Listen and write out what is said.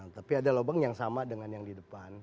tapi ada lubang yang sama dengan yang di depan